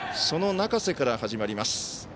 その中瀬から始まります。